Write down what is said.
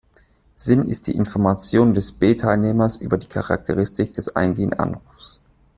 Sinn ist die Information des B-Teilnehmers über die Charakteristik des eingehenden Anrufs.